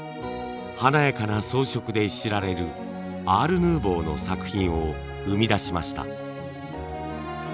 華やかな装飾で知られるアール・ヌーボーの作品を生み出しました。